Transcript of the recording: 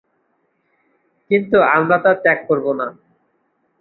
কিন্তু আমরা তা ত্যাগ করবো না।